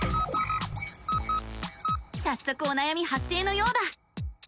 さっそくおなやみ発生のようだ！